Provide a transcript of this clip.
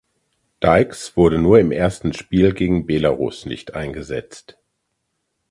Dykes wurde nur im ersten Spiel gegen Belarus nicht eingesetzt.